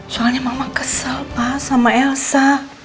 soalnya mama kesal pak sama elsa